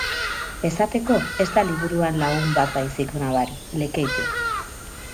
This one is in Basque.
Esateko, ez da liburuan lagun bat baizik nabari: Lekeitio.